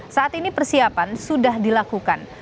saat ini persiapan sudah dilakukan